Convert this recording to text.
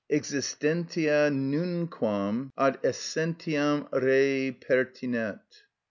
_, existentia nunquam ad essentiam rei pertinet.